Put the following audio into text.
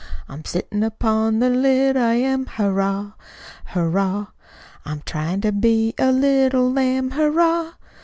I'm sittin' upon the lid, I am, Hurrah! Hurrah! I'm tryin' to be a little lamb, Hurrah!